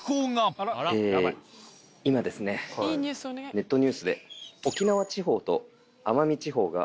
ネットニュースで。